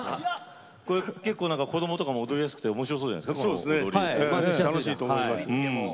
子どもも踊りやすくでおもしろそうじゃないですか。